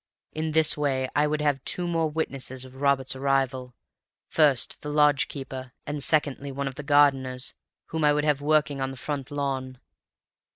In this way I would have two more witnesses of Robert's arrival—first the lodge keeper, and secondly one of the gardeners whom I would have working on the front lawn.